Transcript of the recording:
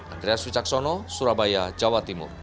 andreas wicaksono surabaya jawa timur